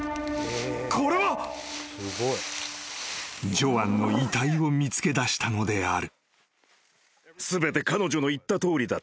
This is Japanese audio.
［ジョアンの遺体を見つけだしたのである］